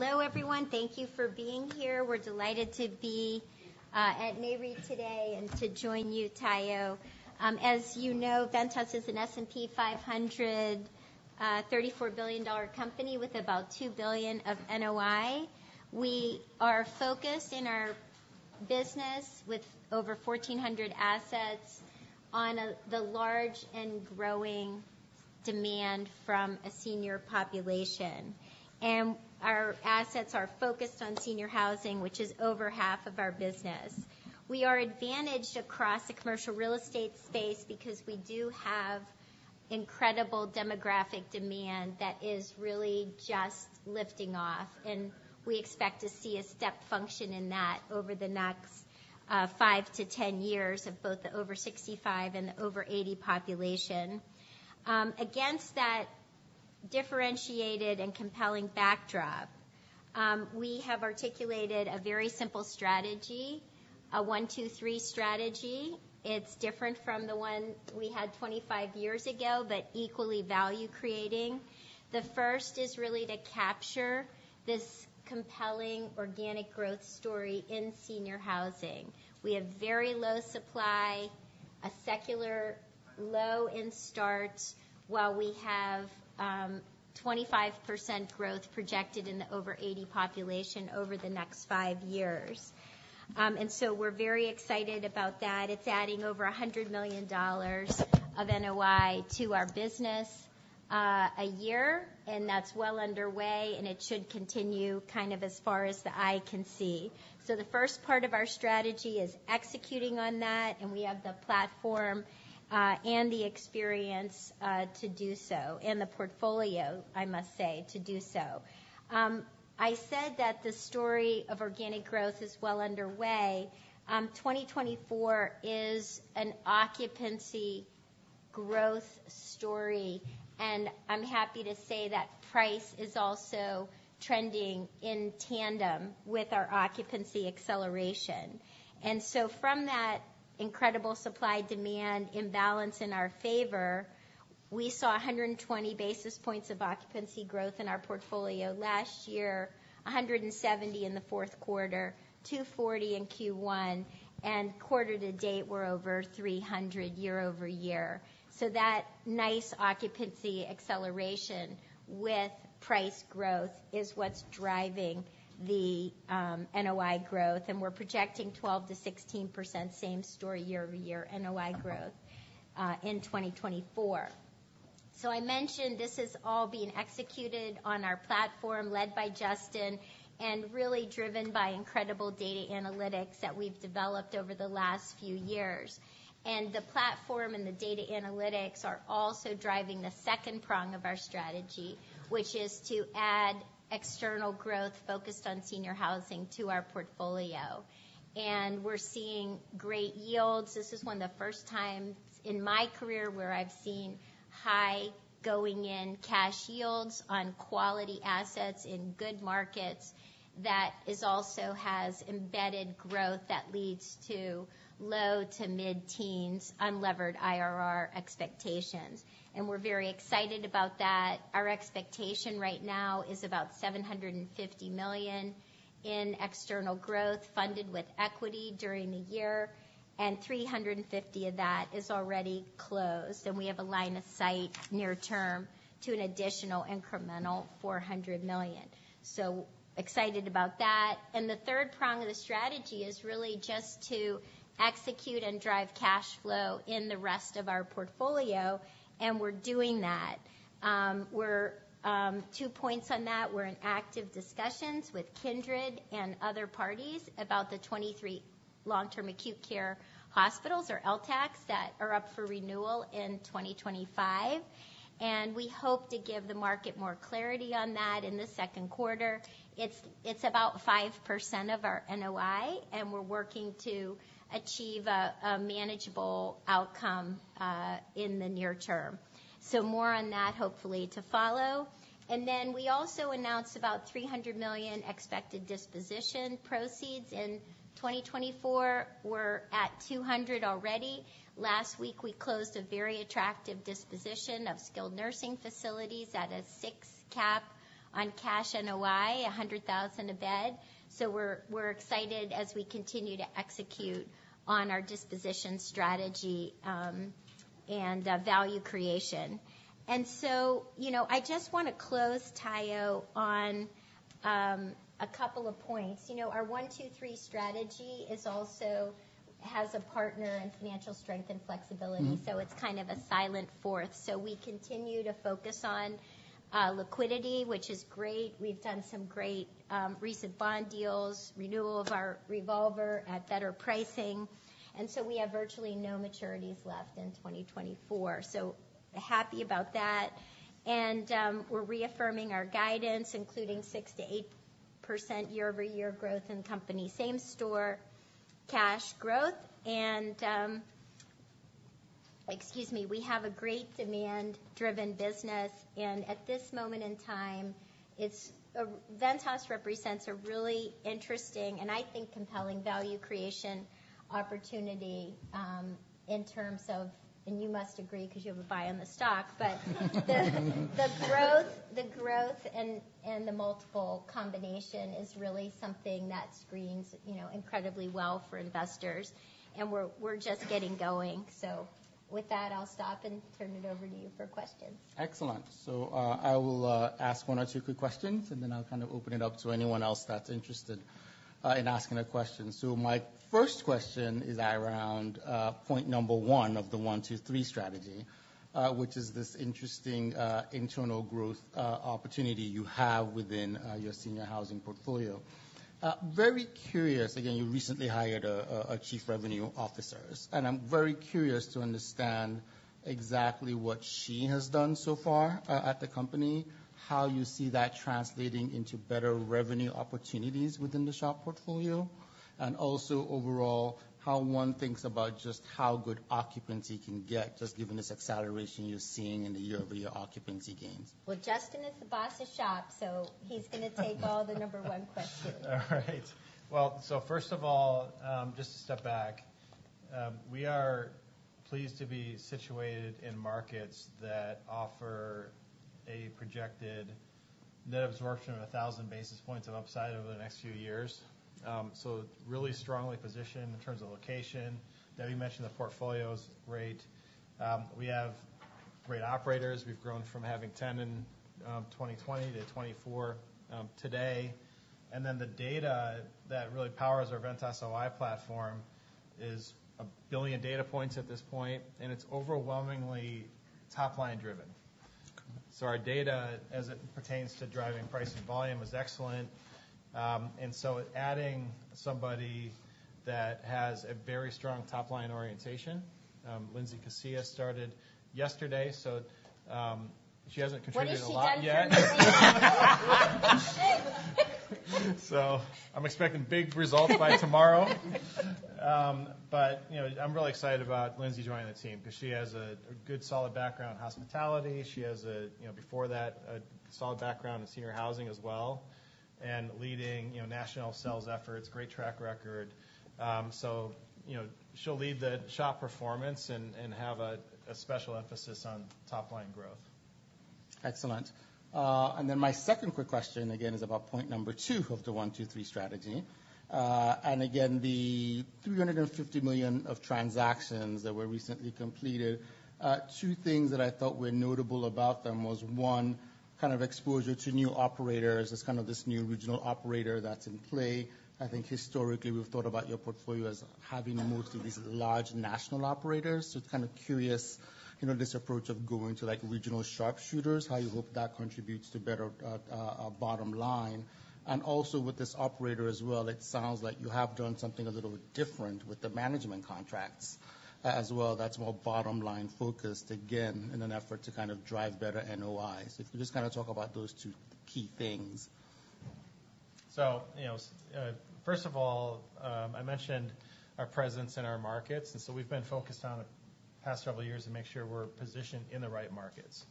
Hello, everyone. Thank you for being here. We're delighted to be at Nareit today and to join you, Tayo. As you know, Ventas is an S&P 500, $34-billion company with about $2 billion of NOI. We are focused in our business with over 1,400 assets on the large and growing demand from a senior population. And our assets are focused on senior housing, which is over half of our business. We are advantaged across the commercial real estate space because we do have incredible demographic demand that is really just lifting off, and we expect to see a step function in that over the next five to 10 years of both the over 65 and the over 80 population. Against that differentiated and compelling backdrop, we have articulated a very simple strategy, a one, two, three strategy. It's different from the one we had 25 years ago, but equally value-creating. The first is really to capture this compelling organic growth story in senior housing. We have very low supply, a secular low in starts, while we have, 25% growth projected in the over 80 population over the next five years. And so we're very excited about that. It's adding over $100 million of NOI to our business, a year, and that's well underway, and it should continue kind of as far as the eye can see. So the first part of our strategy is executing on that, and we have the platform, and the experience, to do so, and the portfolio, I must say, to do so. I said that the story of organic growth is well underway. 2024 is an occupancy growth story, and I'm happy to say that price is also trending in tandem with our occupancy acceleration. And so from that incredible supply-demand imbalance in our favor, we saw 120 basis points of occupancy growth in our portfolio last year, 170 in the fourth quarter, 240 in Q1, and quarter to date, we're over 300 year-over-year. So that nice occupancy acceleration with price growth is what's driving the NOI growth, and we're projecting 12%-16%, same story year-over-year, NOI growth in 2024. So I mentioned this is all being executed on our platform, led by Justin, and really driven by incredible data analytics that we've developed over the last few years. The platform and the data analytics are also driving the second prong of our strategy, which is to add external growth focused on senior housing to our portfolio. We're seeing great yields. This is one of the first times in my career where I've seen high going-in cash yields on quality assets in good markets that is also has embedded growth that leads to low-to-mid-teens unlevered IRR expectations, and we're very excited about that. Our expectation right now is about $750 million in external growth, funded with equity during the year, and $350 million of that is already closed, and we have a line of sight near-term to an additional incremental $400 million. Excited about that. The third prong of the strategy is really just to execute and drive cash flow in the rest of our portfolio, and we're doing that. We're two points on that. We're in active discussions with Kindred and other parties about the 23 long-term acute care hospitals, or LTACHs, that are up for renewal in 2025, and we hope to give the market more clarity on that in the second quarter. It's about 5% of our NOI, and we're working to achieve a manageable outcome in the near-term. More on that, hopefully to follow. Then we also announced about $300 million expected disposition proceeds in 2024. We're at $200 million already. Last week, we closed a very attractive disposition of skilled nursing facilities at a six cap on cash NOI, $100,000 a bed. So we're excited as we continue to execute on our disposition strategy and value creation. And so, you know, I just want to close, Tayo, on a couple of points. You know, our one, two, three strategy is also has a partner in financial strength and flexibility, so it's kind of a silent fourth. So we continue to focus on liquidity, which is great. We've done some great recent bond deals, renewal of our revolver at better pricing, and so we have virtually no maturities left in 2024. So happy about that. And we're reaffirming our guidance, including 6%-8% year-over-year growth in company same store cash growth. And excuse me. We have a great demand-driven business, and at this moment in time, it's Ventas represents a really interesting, and I think compelling value creation opportunity, in terms of, and you must agree because you have a buy on the stock, but the growth and the multiple combination is really something that screens, you know, incredibly well for investors, and we're just getting going. So with that, I'll stop and turn it over to you for questions. Excellent. So, I will ask one or two quick questions, and then I'll kind of open it up to anyone else that's interested in asking a question. So my first question is around point number one of the one, two, three strategy, which is this interesting internal growth opportunity you have within your senior housing portfolio. Very curious again, you recently hired a Chief Revenue Officer, and I'm very curious to understand exactly what she has done so far at the company, how you see that translating into better revenue opportunities within the SHOP portfolio, and also overall, how one thinks about just how good occupancy can get, just given this acceleration you're seeing in the year-over-year occupancy gains? Well, Justin is the boss of SHOP, so he's gonna take all the number one questions. All right. Well, so first of all, just to step back, we are pleased to be situated in markets that offer a projected net absorption of 1,000 basis points of upside over the next few years. So really strongly positioned in terms of location. Debbie mentioned the portfolio's great. We have great operators. We've grown from having 10 in 2020 to 24 today. And then the data that really powers our Ventas OI platform is 1 billion data points at this point, and it's overwhelmingly top-line driven. So our data, as it pertains to driving price and volume, is excellent. And so adding somebody that has a very strong top-line orientation, Lindsay Casillas started yesterday, so she hasn't contributed a lot yet. What has she done for you? So I'm expecting big results by tomorrow. But, you know, I'm really excited about Lindsay joining the team because she has a good, solid background in hospitality. She has a, you know, before that, a solid background in senior housing as well, and leading, you know, national sales efforts. Great track record. So, you know, she'll lead the SHOP performance and have a special emphasis on top-line growth. Excellent. And then my second quick question again, is about point number two of the one, two, three strategy. And again, the $350 million of transactions that were recently completed. Two things that I thought were notable about them was, one, kind of exposure to new operators. It's kind of this new regional operator that's in play. I think historically, we've thought about your portfolio as having mostly these large national operators. So kind of curious, you know, this approach of going to like, regional sharpshooters, how you hope that contributes to better, a bottom line. And also with this operator as well, it sounds like you have done something a little different with the management contracts as well, that's more bottom-line-focused, again, in an effort to kind of drive better NOIs. If you just kind of talk about those two key things. So, you know, first of all, I mentioned our presence in our markets, and so we've been focused on the past several years to make sure we're positioned in the right markets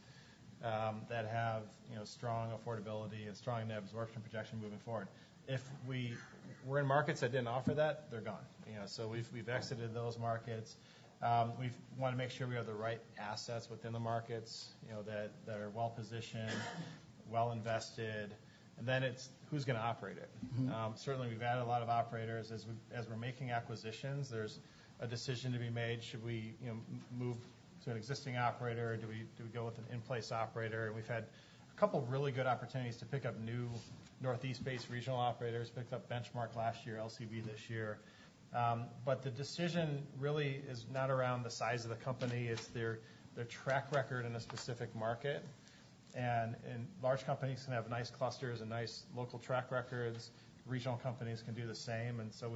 that have, you know, strong affordability and strong net absorption projection moving forward. If we were in markets that didn't offer that, they're gone, you know. So we've exited those markets. We've wanted to make sure we have the right assets within the markets, you know, that are well-positioned, well-invested, and then it's who's gonna operate it. Certainly we've added a lot of operators. As we, as we're making acquisitions, there's a decision to be made. Should we, you know, move to an existing operator, or do we, do we go with an in-place operator? We've had a couple of really good opportunities to pick up new Northeast-based regional operators, picked up Benchmark last year, LCB this year. But the decision really is not around the size of the company, it's their, their track record in a specific market. And large companies can have nice clusters and nice local track records. Regional companies can do the same, and so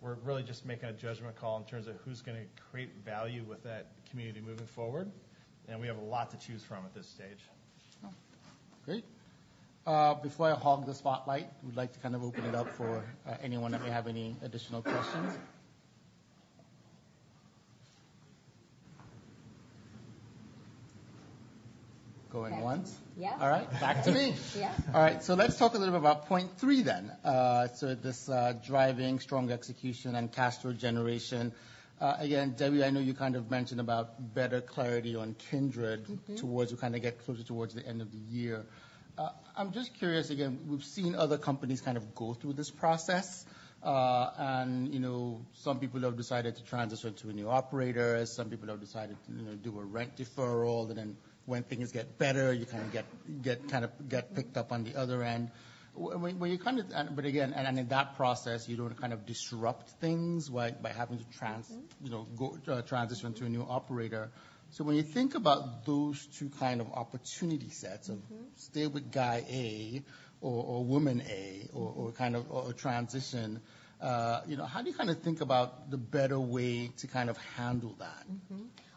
we're really just making a judgment call in terms of who's gonna create value with that community moving forward, and we have a lot to choose from at this stage. Oh, great. Before I hog the spotlight, we'd like to kind of open it up for anyone that may have any additional questions. Going once. Yeah. All right, back to me. Yeah. All right, so let's talk a little bit about point three then. So this, driving strong execution and cash flow generation. Again, Debbie, I know you kind of mentioned about better clarity on Kindred towards the kind of get closer towards the end of the year. I'm just curious, again, we've seen other companies kind of go through this process. And, you know, some people have decided to transition to a new operator, some people have decided to, you know, do a rent deferral, and then when things get better, you kind of get picked up on the other end. When you kind of... But again, in that process, you don't kind of disrupt things by having to trans--you know, go, transition to a new operator. So when you think about those two kind of opportunity sets of- stay with guy A or woman A -or, kind of, or transition, you know, how do you kind of think about the better way to kind of handle that?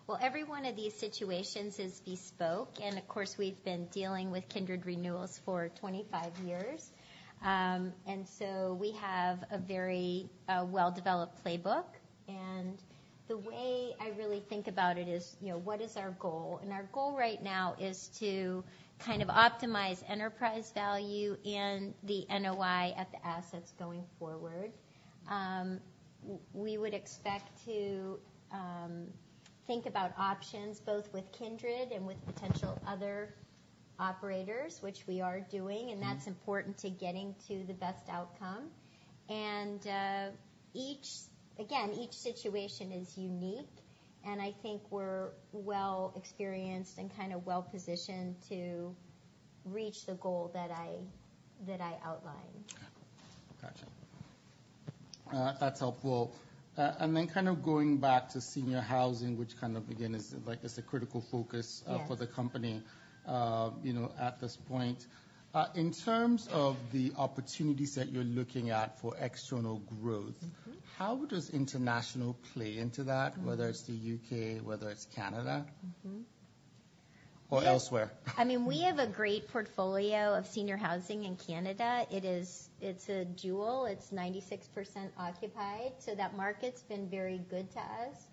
Well, each one of these situations is bespoke, and of course, we've been dealing with Kindred renewals for 25 years. And so we have a very, well-developed playbook, and the way I really think about it is, you know, what is our goal? And our goal right now is to kind of optimize enterprise value and the NOI at the assets going forward. We would expect to think about options both with Kindred and with potential other operators, which we are doing, and that's important to getting to the best outcome. Again, each situation is unique, and I think we're well-experienced and kind of well-positioned to reach the goal that I, that I outlined. Gotcha. That's helpful. And then kind of going back to senior housing, which kind of, again, is, like, is a critical focus- Yes. for the company, you know, at this point. In terms of the opportunities that you're looking at for external growth- Mm-hmm. How does international play into that? Mm. Whether it's the U.K., whether it's Canada- Mm-hmm. Or elsewhere? I mean, we have a great portfolio of senior housing in Canada. It's a jewel. It's 96% occupied, so that market's been very good to us.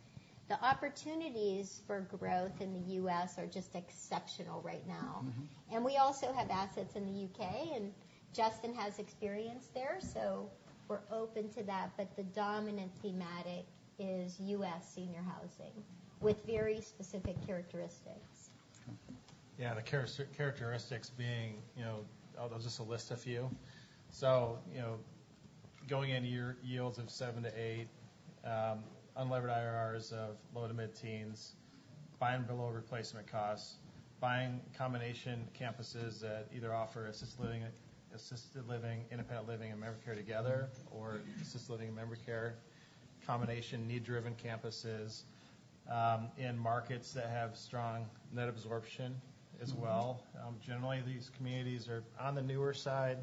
The opportunities for growth in the U.S. are just exceptional right now. Mm-hmm. And we also have assets in the U.K., and Justin has experience there, so we're open to that. But the dominant thematic is U.S. senior housing, with very specific characteristics. Yeah, the characteristics being, you know, I'll just list a few. So, you know, going into year, yields of seven to eight, unlevered IRRs of low to mid-teens, buying below replacement costs, buying combination campuses that either offer assisted living, assisted living, independent living, and memory care together, or assisted living and memory care, combination need-driven campuses, in markets that have strong net absorption as well. Generally, these communities are on the newer side,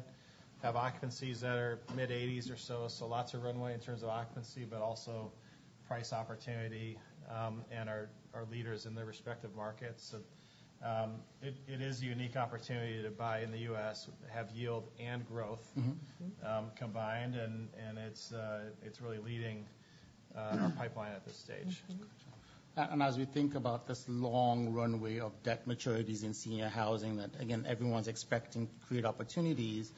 have occupancies that are mid-80s percent or so, so lots of runway in terms of occupancy, but also price opportunity, and are leaders in their respective markets. It is a unique opportunity to buy in the U.S., have yield and growth- Mm-hmm. Mm-hmm... combined, and it's really leading our pipeline at this stage. Mm-hmm. As we think about this long runway of debt maturities in senior housing, that, again, everyone's expecting to create opportunities,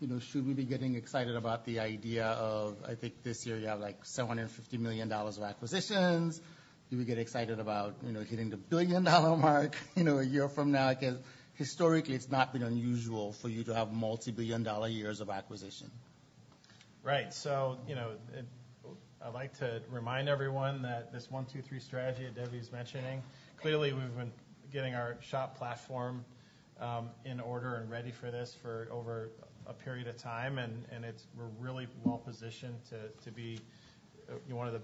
you know, should we be getting excited about the idea of, I think this year, you have, like, $750 million of acquisitions? Do we get excited about, you know, hitting the billion-dollar mark, you know, a year from now? Because historically, it's not been unusual for you to have multibillion-dollar years of acquisition. Right. So, you know, I'd like to remind everyone that this one, two, three strategy that Debbie was mentioning, clearly, we've been getting our SHOP platform in order and ready for this for over a period of time, and it's we're really well-positioned to be, you know, one of the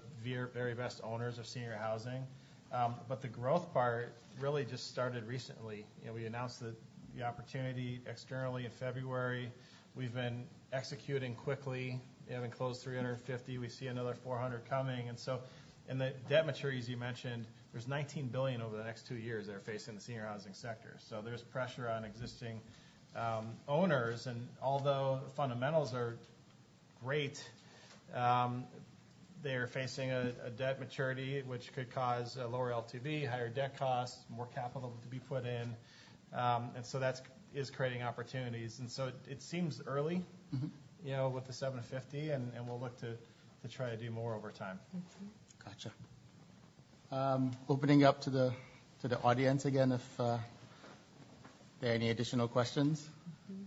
very best owners of senior housing. But the growth part really just started recently. You know, we announced the opportunity externally in February. We've been executing quickly. We have closed $350 million. We see another $400 million coming, and so, and the debt maturities you mentioned, there's $19 billion over the next two years that are facing the senior housing sector. So there's pressure on existing owners, and although the fundamentals are great, they are facing a debt maturity, which could cause a lower LTV, higher debt costs, more capital to be put in. And so that's creating opportunities. And so it seems early- You know, with the $750 million, and we'll look to try to do more over time. Gotcha. Opening up to the audience again, if there are any additional questions. Mm-hmm.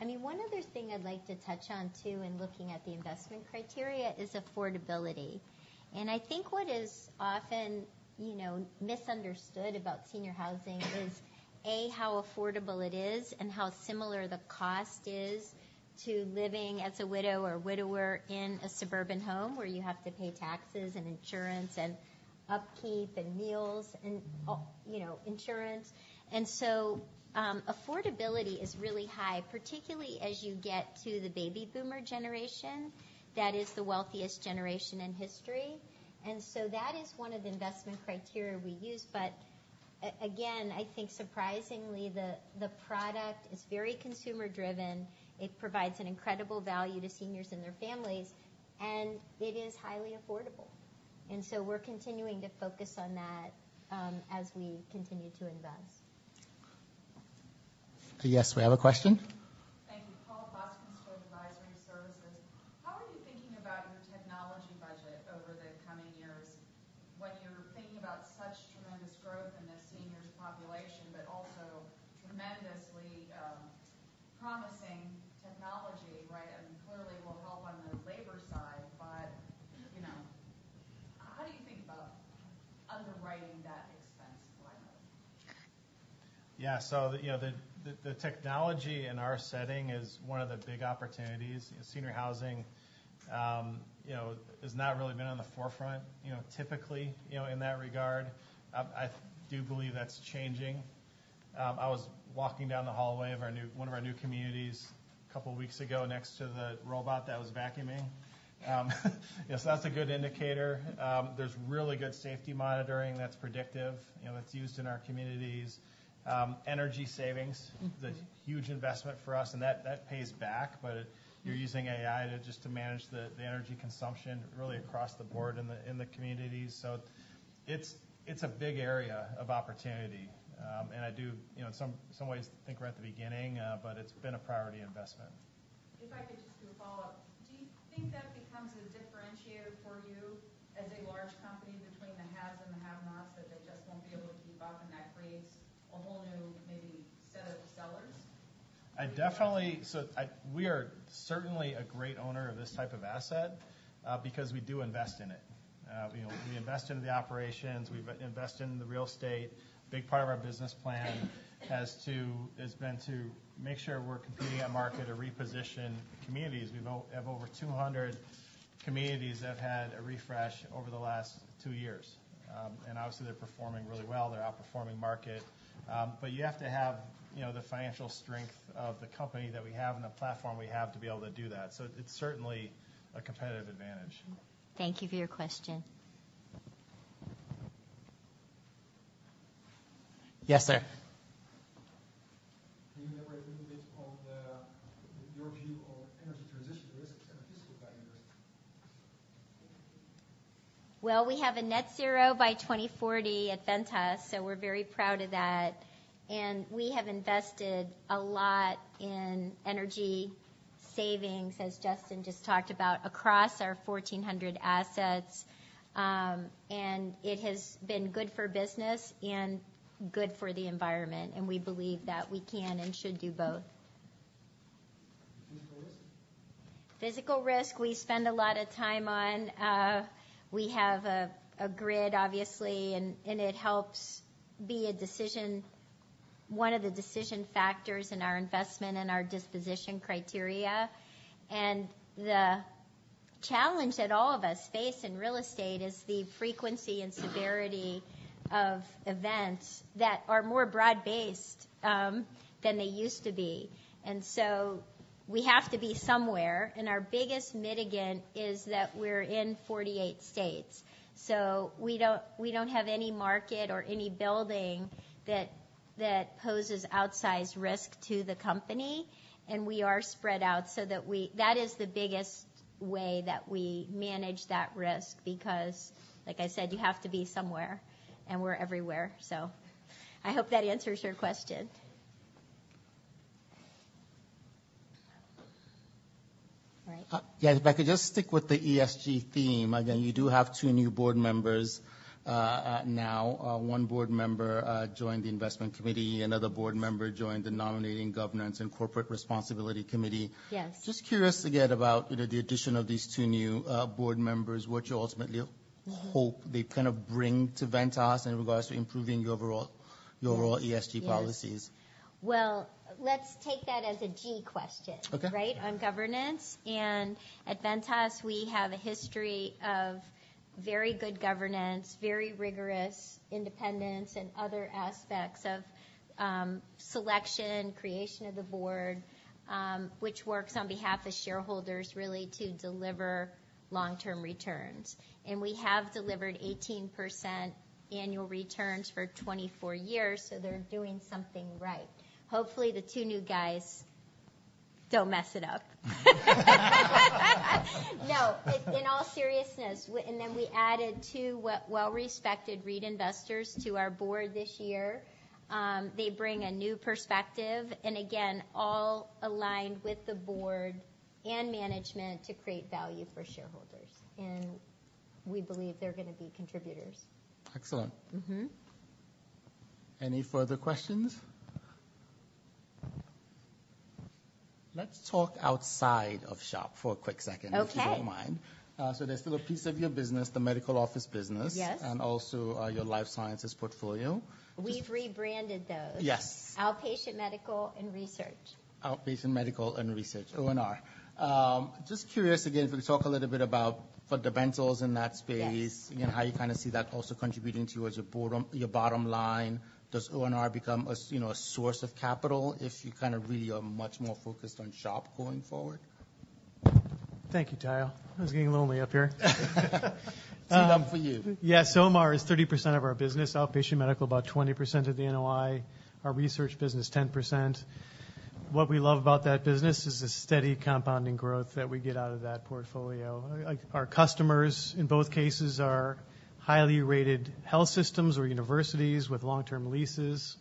I mean, one other thing I'd like to touch on, too, in looking at the investment criteria is affordability. I think what is often, you know, misunderstood about senior housing is, A, how affordable it is and how similar the cost is to living as a widow or widower in a suburban home, where you have to pay taxes and insurance and upkeep and meals and you know, insurance. And so, affordability is really high, particularly as you get to the baby boomer generation. That is the wealthiest generation in history. And so that is one of the investment criteria we use. But again, I think surprisingly, the product is very consumer-driven. It provides an incredible value to seniors and their families, and it is highly affordable, and so we're continuing to focus on that, as we continue to invest. Yes, we have a question. Thank you. Paula Poskon, STOV Advisory Services. How are you thinking about your technology budget over the coming years when you're thinking about such tremendous growth in the seniors population, but also tremendously promising technology, right? And clearly will help on the labor side, but, you know, how do you think about underwriting that expense going on? Yeah. So, you know, the technology in our setting is one of the big opportunities. Senior housing, you know, has not really been on the forefront, you know, typically, you know, in that regard. I do believe that's changing. I was walking down the hallway of our new-- one of our new communities a couple weeks ago, next to the robot that was vacuuming. Yes, that's a good indicator. There's really good safety monitoring that's predictive, you know, that's used in our communities. Energy savings- -is a huge investment for us, and that, that pays back, but you're using AI to just to manage the, the energy consumption really across the board in the, in the communities. So it's, it's a big area of opportunity. And I do, you know, in some, some ways, think we're at the beginning, but it's been a priority investment. If I could just do a follow-up. Do you think that becomes a differentiator for you as a large company between the haves and the have-nots, that they just won't be able to keep up, and that creates a whole new, maybe, set of sellers? We are certainly a great owner of this type of asset, because we do invest in it. We invest in the operations. We invest in the real estate. A big part of our business plan has been to make sure we're competing at market or reposition communities. We have over 200 communities that have had a refresh over the last two years. And obviously, they're performing really well. They're outperforming market. But you have to have, you know, the financial strength of the company that we have and the platform we have to be able to do that. So it's certainly a competitive advantage. Thank you for your question. Yes, sir. Can you elaborate a little bit on your view on energy transition risks and physical values? Well, we have a net zero by 2040 at Ventas, so we're very proud of that. And we have invested a lot in energy savings, as Justin just talked about, across our 1,400 assets. And it has been good for business and good for the environment, and we believe that we can and should do both. Physical risk? Physical risk, we spend a lot of time on. We have a grid, obviously, and it helps be a decision-- one of the decision factors in our investment and our disposition criteria. The challenge that all of us face in real estate is the frequency and severity of events that are more broad-based than they used to be. So we have to be somewhere, and our biggest mitigant is that we're in 48 states. We don't have any market or any building that poses outsized risk to the company, and we are spread out so that we... That is the biggest way that we manage that risk, because, like I said, you have to be somewhere, and we're everywhere. So I hope that answers your question. All right. Yes, if I could just stick with the ESG theme again. You do have two new board members, now. One board member joined the investment committee, another board member joined the nominating governance and corporate responsibility committee. Yes. Just curious, again, about, you know, the addition of these two new board members, what you ultimately hope they kind of bring to Ventas in regards to improving your overall- Yes. your overall ESG policies? Well, let's take that as a G question. Okay. Right? On governance. At Ventas, we have a history of very good governance, very rigorous independence and other aspects of selection, creation of the board, which works on behalf of shareholders, really to deliver long-term returns. We have delivered 18% annual returns for 24 years, so they're doing something right. Hopefully, the two new guys don't mess it up. No, in all seriousness, and then we added two well-respected REIT investors to our board this year. They bring a new perspective, and again, all aligned with the board and management to create value for shareholders, and we believe they're gonna be contributors. Excellent. Mm-hmm. Any further questions? Let's talk outside of SHOP for a quick second- Okay. -If you don't mind. So there's still a piece of your business, the medical office business. Yes. And also, your life sciences portfolio. We've rebranded those. Yes. Outpatient Medical and Research. Outpatient Medical and Research, OM&R. Just curious, again, if you could talk a little bit about fundamentals in that space- Yes... and how you kind of see that also contributing toward your bottom, your bottom line. Does OM&R become a, you know, a source of capital if you kind of really are much more focused on SHOP going forward? Thank you, Tayo. I was getting lonely up here. Too long for you. Yes, so OM&R is 30% of our business, outpatient medical, about 20% of the NOI, our research business, 10%. What we love about that business is the steady compounding growth that we get out of that portfolio. Our customers, in both cases, are highly rated health systems or universities with long-term leases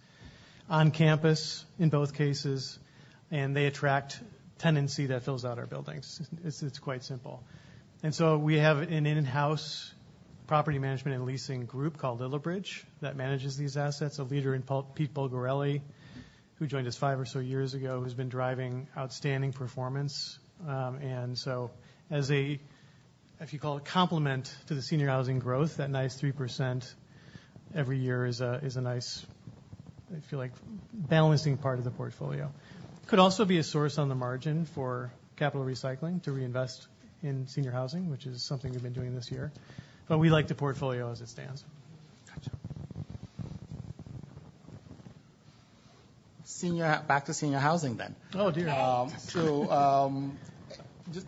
on campus, in both cases, and they attract tenancy that fills out our buildings. It's, it's quite simple. And so we have an in-house property management and leasing group called Little Bridge, that manages these assets. A leader in Pete Bulgarelli, who joined us five or so years ago, who's been driving outstanding performance. And so as a, if you call it, complement to the senior housing growth, that nice 3% every year is a, is a nice, I feel like, balancing part of the portfolio. Could also be a source on the margin for capital recycling, to reinvest in senior housing, which is something we've been doing this year, but we like the portfolio as it stands. Gotcha. Senior, back to senior housing then. Oh, dear! So, just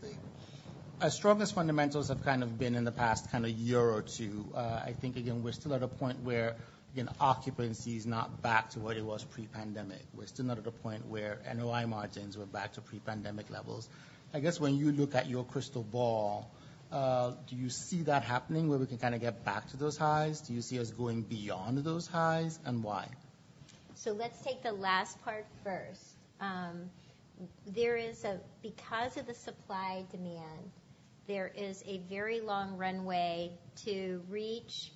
as strong as fundamentals have kind of been in the past kind of year or two, I think again, we're still at a point where, you know, occupancy is not back to what it was pre-pandemic. We're still not at a point where NOI margins were back to pre-pandemic levels. I guess when you look at your crystal ball, do you see that happening where we can kinda get back to those highs? Do you see us going beyond those highs, and why? So let's take the last part first. There is a-- Because of the supply-demand, there is a very long runway to reach.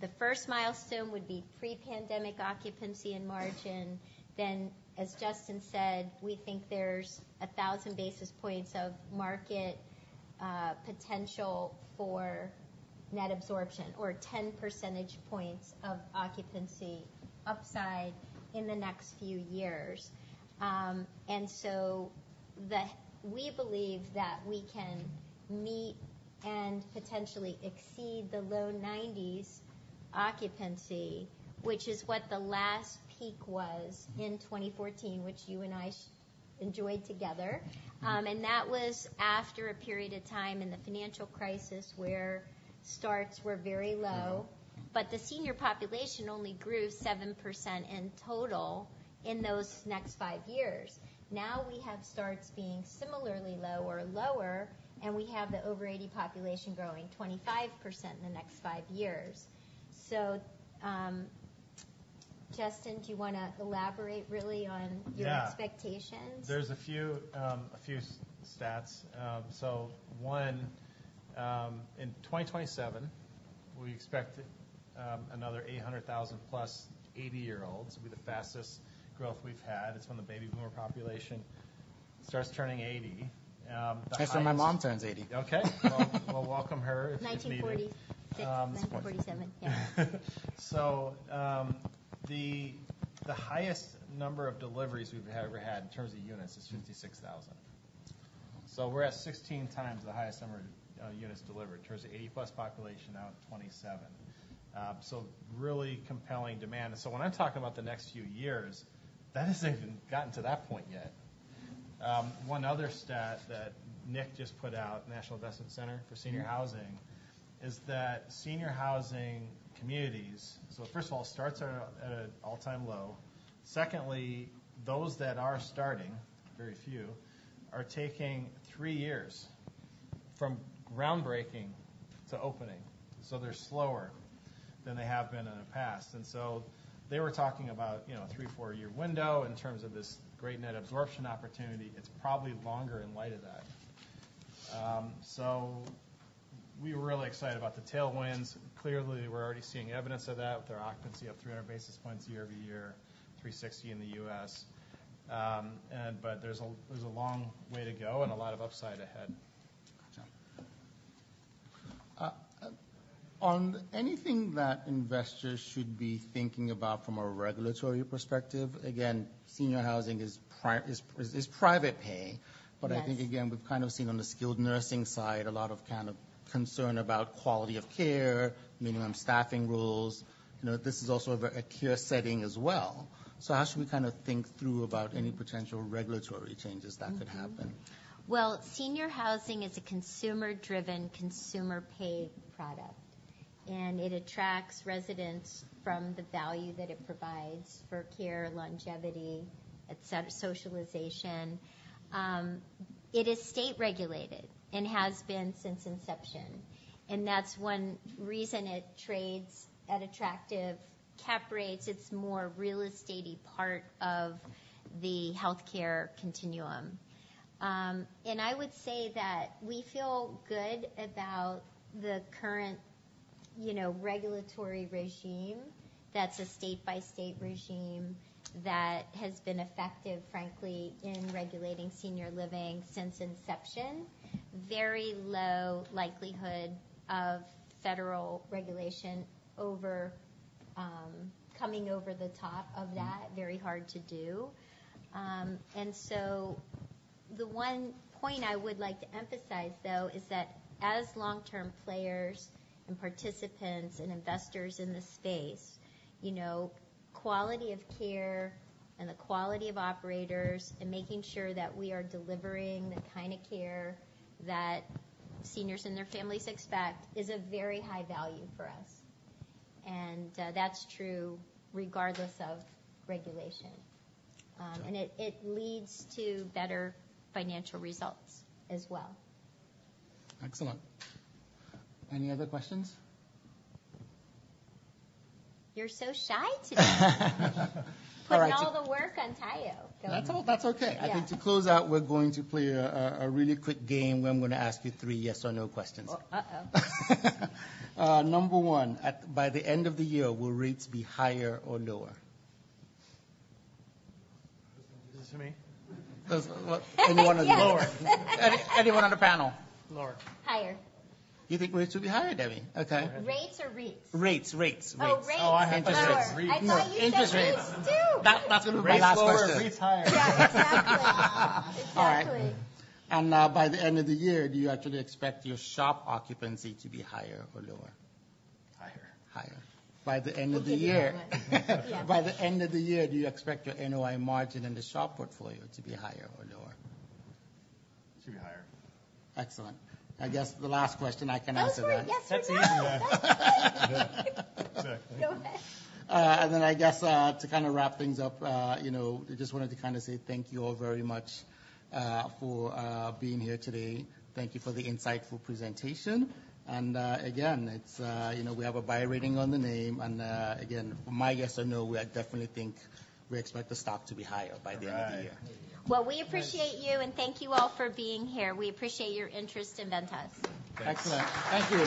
The first milestone would be pre-pandemic occupancy and margin. Then, as Justin said, we think there's 1,000 basis points of market potential for net absorption, or 10 percentage points of occupancy upside in the next few years. And so we believe that we can meet and potentially exceed the low 90s occupancy, which is what the last peak was in 2014, which you and I enjoyed together. And that was after a period of time in the financial crisis where starts were very low. But the senior population only grew 7% in total in those next five years. Now, we have starts being similarly low or lower, and we have the over 80 population growing 25% in the next five years. So, Justin, do you wanna elaborate really on- Yeah. -your expectations? There's a few, a few stats. So one, in 2027, we expect, another 800,000+ 80-year-olds. It'll be the fastest growth we've had. It's when the baby boomer population starts turning 80. The highest- That's when my mom turns 80. Okay. We'll welcome her if needed. 1940- Um. 1947, yeah. So, the highest number of deliveries we've ever had in terms of units is 56,000. So we're at 16x the highest number of units delivered in terms of 80+ population now at 27. So really compelling demand. So when I'm talking about the next few years, that hasn't even gotten to that point yet. One other stat that NIC just put out, National Investment Center for Senior Housing, is that senior housing communities. So first of all, starts are at an all-time low. Secondly, those that are starting, very few, are taking three years from groundbreaking to opening, so they're slower than they have been in the past. And so they were talking about, you know, three to four-year window in terms of this great net absorption opportunity. It's probably longer in light of that. So we were really excited about the tailwinds. Clearly, we're already seeing evidence of that, with our occupancy up 300 basis points year-over-year, 360 in the U.S. But there's a long way to go and a lot of upside ahead. Gotcha. On anything that investors should be thinking about from a regulatory perspective, again, senior housing is private pay. Yes. But I think, again, we've kind of seen on the skilled nursing side, a lot of kind of concern about quality of care, minimum staffing rules. You know, this is also a very care setting as well. So how should we kind of think through about any potential regulatory changes that could happen? Mm-hmm. Well, senior housing is a consumer-driven, consumer-paid product, and it attracts residents from the value that it provides for care, longevity, etc., socialization. It is state-regulated and has been since inception, and that's one reason it trades at attractive cap rates. It's more real estate-y part of the healthcare continuum. And I would say that we feel good about the current, you know, regulatory regime. That's a state-by-state regime that has been effective, frankly, in regulating senior living since inception. Very low likelihood of federal regulation over, coming over the top of that. Mm-hmm. Very hard to do. And so the one point I would like to emphasize, though, is that as long-term players and participants and investors in the space, you know, quality of care and the quality of operators and making sure that we are delivering the kind of care that seniors and their families expect is a very high value for us. And, that's true regardless of regulation. Gotcha. And it leads to better financial results as well. Excellent. Any other questions? You're so shy today. All right, Putting all the work on Tayo. That's all. That's okay. Yeah. I think to close out, we're going to play a really quick game, where I'm going to ask you three yes or no questions. Oh, uh-oh. Number one, by the end of the year, will rates be higher or lower? Is this to me? Does, well- Yeah. Anyone on the- Lower. Anyone on the panel? Lower. Higher. You think rates will be higher, Debbie? Okay. Rates or REITs? Rates, rates, rates. Oh, rates. Interest rates. Lower. Rates. I thought you said REITs, too. That's going to be my last question. Rates lower, REITs higher. Yeah, exactly. Exactly. All right. And, by the end of the year, do you actually expect your SHOP occupancy to be higher or lower? Higher. Higher. By the end of the year- Yeah. By the end of the year, do you expect your NOI margin in the SHOP portfolio to be higher or lower? To be higher. Excellent. I guess the last question I can answer that. Those were yes or no. That's easy, yeah. Exactly. Go ahead. And then I guess, to kind of wrap things up, you know, I just wanted to kind of say thank you all very much, for being here today. Thank you for the insightful presentation. And, again, it's, you know, we have a buy rating on the name, and, again, my yes or no, we, I definitely think we expect the stock to be higher by the end of the year. All right. Well, we appreciate you, and thank you all for being here. We appreciate your interest in Ventas. Thanks. Excellent. Thank you.